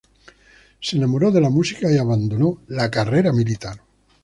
Se enamoró de la música y abandonó la carrera militar.